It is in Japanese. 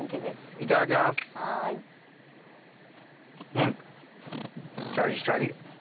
うんシャリシャリ。